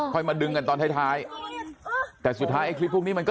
มาดึงกันตอนท้ายท้ายแต่สุดท้ายไอ้คลิปพวกนี้มันก็